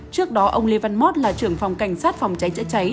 trước đó ông lê văn mót là trưởng phòng cảnh sát phòng cháy chữa cháy